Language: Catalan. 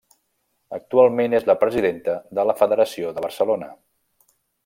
Actualment és la presidenta de la Federació de Barcelona.